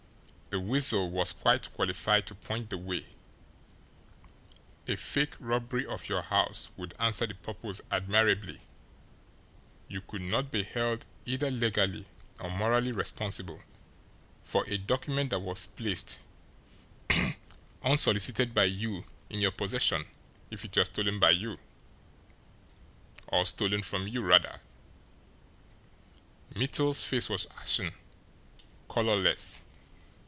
The Weasel was well qualified to point the way a fake robbery of your house would answer the purpose admirably you could not be held either legally or morally responsible for a document that was placed, unsolicited by you, in your possession, if it were stolen from you." Mittel's face was ashen, colourless.